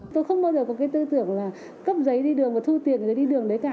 tôi không bao giờ có cái tư tưởng là cấp giấy đi đường và thu tiền giấy đi đường đấy cả